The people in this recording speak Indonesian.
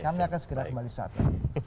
kami akan segera kembali saat lagi